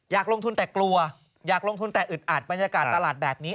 อยากลงทุนแต่กลัวอยากลงทุนแต่อึดอัดบรรยากาศตลาดแบบนี้